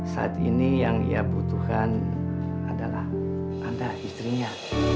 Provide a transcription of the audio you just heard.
saat ini yang ia butuhkan adalah ada istrinya